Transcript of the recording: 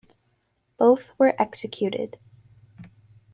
Both were executed.